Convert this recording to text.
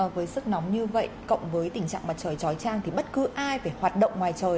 với sức nóng như vậy cộng với tình trạng mặt trời trói trang thì bất cứ ai phải hoạt động ngoài trời